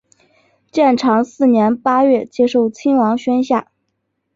建长四年八月接受亲王宣下。